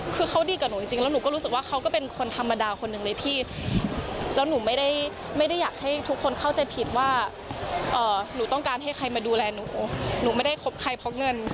คือเขาดีกับหนูจริงแล้วหนูก็รู้สึกว่าเขาก็เป็นคนธรรมดาคนหนึ่งเลยพี่แล้วหนูไม่ได้อยากให้ทุกคนเข้าใจผิดว่าหนูต้องการให้ใครมาดูแลหนูหนูไม่ได้คบใครเพราะเงิน